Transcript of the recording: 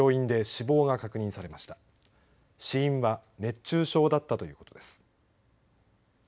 死因は熱中症だったということです。